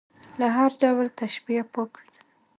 له هر ډول تشبیه پاک وي.